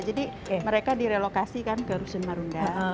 jadi mereka direlokasikan ke rusun marunda